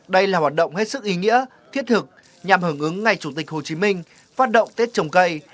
đây là hoạt động hết sức ý nghĩa thiết thực nhằm hưởng ứng ngày chủ tịch hồ chí minh phát động tết trồng cây